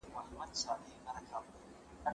هغه وويل چي کالي پاک دي.